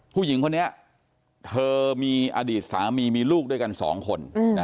ผู้หญิงคนนี้เธอมีอดีตสามีมีลูกด้วยกัน๒คน